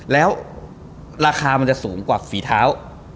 แล้วราคามันจะสูงกว่าฝีเท้า